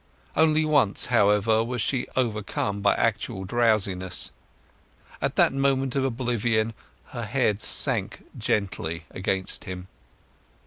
Only once, however, was she overcome by actual drowsiness. In that moment of oblivion her head sank gently against him.